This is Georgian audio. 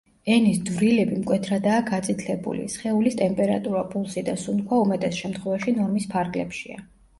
ენის დვრილები მკვეთრადაა გაწითლებული, სხეულის ტემპერატურა, პულსი და სუნთქვა უმეტეს შემთხვევაში ნორმის ფარგლებშია.